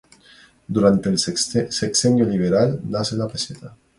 Durante el Sexenio Liberal nace la peseta.